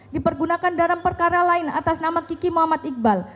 dipergunakan dalam perkara lain atas nama kiki muhammad iqbal